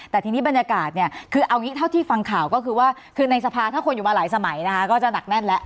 แต่ทีนี้บรรยากาศเนี่ยคือเอางี้เท่าที่ฟังข่าวก็คือว่าคือในสภาถ้าคนอยู่มาหลายสมัยนะคะก็จะหนักแน่นแล้ว